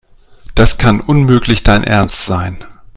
Das kann unmöglich dein Ernst sein.